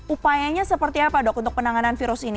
upayanya seperti apa dok untuk penanganan virus ini